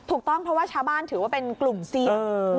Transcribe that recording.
ถูกต้องเพราะว่าชาวบ้านถือว่าเป็นกลุ่มเสี่ยง